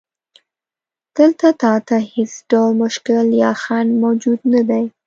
دلته تا ته هیڅ ډول مشکل یا خنډ موجود نه دی.